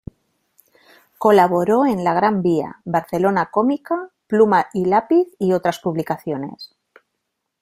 Colaboró en "La Gran Vía", "Barcelona Cómica", "Pluma y Lápiz" y otras publicaciones.